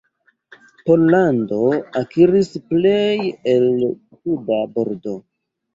Pollando akiris plej el la suda bordo.